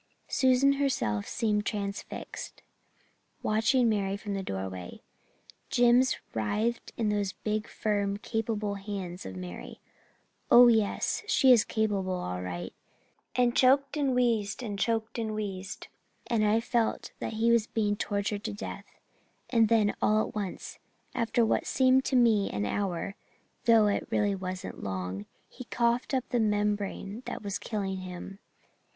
Susan herself seemed transfixed, watching Mary from the doorway. Jims writhed in those big, firm, capable hands of Mary oh yes, she is capable all right and choked and wheezed and choked and wheezed and I felt that he was being tortured to death and then all at once, after what seemed to me an hour, though it really wasn't long, he coughed up the membrane that was killing him.